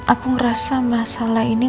aku ngerasa masalah ini